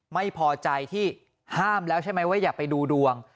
ไม่พอใจที่ห้ามแล้วใช่ไหมว่าอย่าไปดูดวง